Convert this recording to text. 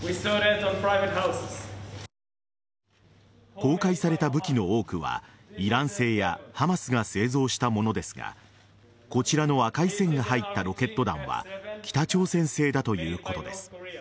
公開された武器の多くはイラン製やハマスが製造したものですがこちらの赤い線が入ったロケット弾は北朝鮮製だということです。